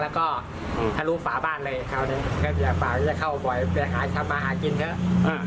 แล้วก็ทะลูกฝาบ้านเลยคราวนึงเข้ามาหากินเถอะ